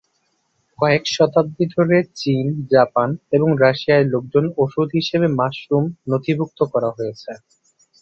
কয়েক শতাব্দী ধরে, চীন, জাপান এবং রাশিয়ায় লোকজ ওষুধ হিসাবে মাশরুম নথিভুক্ত করা হয়েছে।